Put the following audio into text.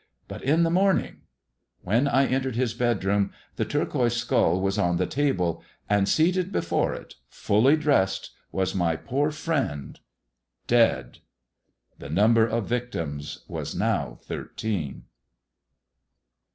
But in the morning When I entered his bedroom the turquoise skull was on the table, and seated before it, fully dressed, was my poor friend — dead I The number of victims was now thirteen.